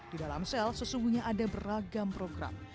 di dalam sel sesungguhnya ada beragam program